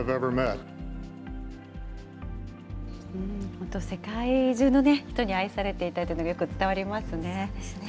本当、世界中の人に愛されていたというのが、そうですね。